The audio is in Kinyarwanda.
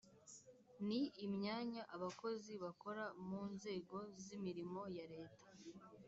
ni imyanya abakozi bakora mu nzego z imirimo ya leta